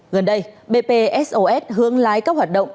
gần đây bpsos hướng lái các hoạt động